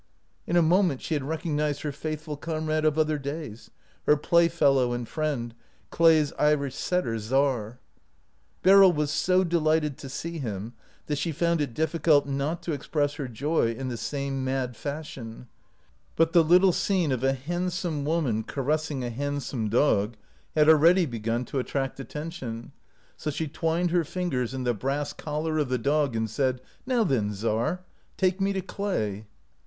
In a moment she had recognized her faithful comrade of other days, her playfellow and friend, Clay's Irish setter, Czar. Beryl was so delighted to see him that she found it difficult not to express her joy in the same mad fashion ; but the little scene of a handsome woman 95 OUT OF BOHEMIA caressing a handsome dog had already be gun to attract attention, so she twined her fingers in the brass collar of the dog and said, "Now then, Czar, take me to Clay."